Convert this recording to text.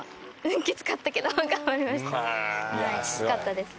きつかったですね。